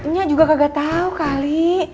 nyak juga kagak tau kali